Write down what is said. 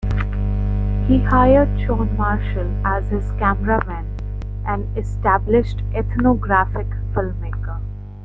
He hired John Marshall as his cameraman, an established ethnographic filmmaker.